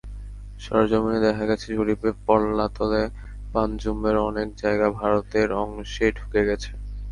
সরেজমিনে দেখা গেছে, জরিপে পাল্লাতলে পানজুমের অনেক জায়গা ভারতের অংশে ঢুকে গেছে।